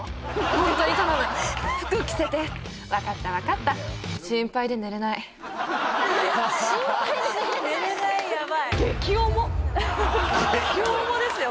「ホントに頼む服着せて」「分かった分かった」「心配で寝れない」・心配で寝れない・寝れないやばい激重ですよ